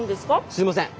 すいません。